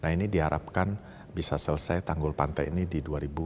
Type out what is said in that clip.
nah ini diharapkan bisa selesai tanggul pantai ini di dua ribu dua puluh